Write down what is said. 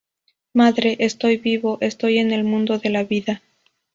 Madre: estoy vivo, estoy en el mundo de la vida.